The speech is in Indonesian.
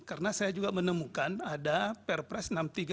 karena saya juga menemukan ada perpres enam puluh tiga dua ribu tujuh belas